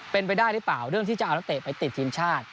เป็นไปได้หรือเปล่าเรื่องที่จะเอานักเตะไปติดทีมชาติ